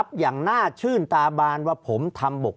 ภารกิจสรรค์ภารกิจสรรค์